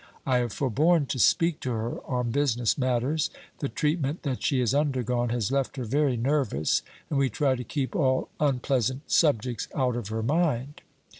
I have forborne to speak to her on business matters. The treatment that she has undergone has left her very nervous, and we try to keep all unpleasant subjects out of her mind."